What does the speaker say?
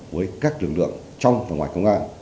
với các lực lượng trong và ngoài công an